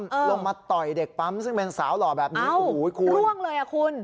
ลงมาต่อยเด็กปั๊มซึ่งเป็นสาวหล่อแบบนี้โอ้โหคุณร่วงเลยอ่ะคุณ